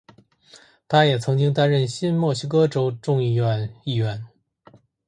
他也曾经担任新墨西哥州众议院议员。